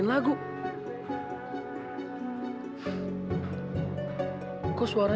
pulang ke belum telah